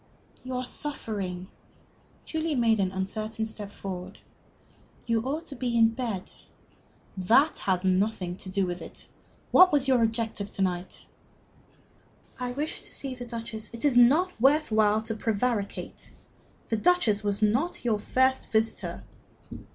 "You are suffering." Julie made an uncertain step forward. "You ought to be in bed." "That has nothing to do with it. What was your object to night?" "I wished to see the Duchess " "It is not worth while to prevaricate. The Duchess was not your first visitor."